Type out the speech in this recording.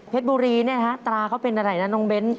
บุรีเนี่ยนะฮะตราเขาเป็นอะไรนะน้องเบ้น